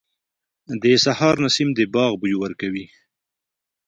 • د سهار نسیم د باغ بوی ورکوي.